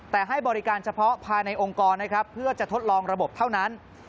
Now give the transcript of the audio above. แต่ให้บริการเฉพาะภายในองค์กรนะครับเพื่อจะทดลองระบบเท่านั้น